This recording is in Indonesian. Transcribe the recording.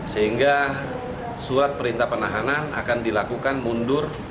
sehingga surat perintah penahanan akan dilakukan mundur